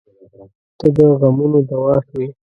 • ته د غمونو دوا شوې.